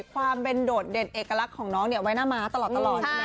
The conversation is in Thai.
ความเป็นโดดเด่นเอกลักษณ์ของน้องเนี่ยไว้หน้าม้าตลอดใช่ไหม